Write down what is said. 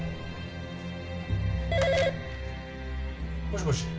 ☎もしもし。